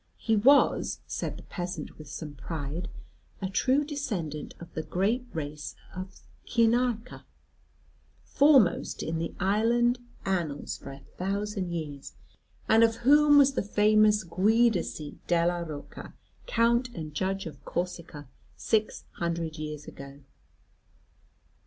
He was, said the peasant with some pride, a true descendant of the great race of Cinarca, foremost in the island annals for a thousand years, and of whom was the famous Giudice Della Rocca, Count and Judge of Corsica, six hundred years ago."